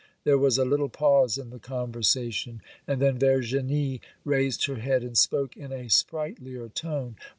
There was a little pause in the conversation, and then Verginie raised her head and spoke in a sprightlier tone.